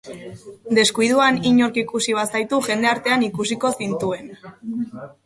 Deskuiduan inork ikusi bazaitu, jende artean ikusiko zintuen.